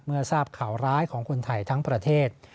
เมื่อทราบข่าวร้ายของคนไทยทั้งประเทศ